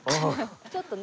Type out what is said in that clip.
ちょっとね。